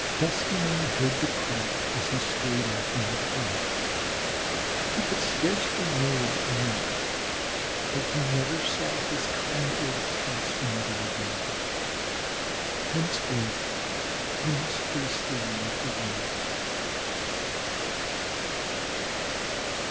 Duskymane heard the "crack" as he scurried off into cover. He could scarcely know what it meant, but he never saw his kind old foster mother again. Thenceforth he must face the world alone.